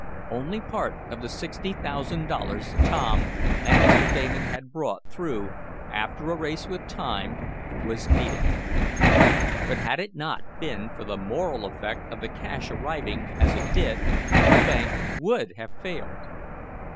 Only part of the sixty thousand dollars Tom and Mr. Damon had brought through after a race with time, was needed. But had it not been for the moral effect of the cash arriving as it did, the bank would have failed.